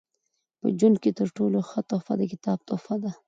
په ژوند کښي تر ټولو ښه تحفه د کتاب تحفه ده.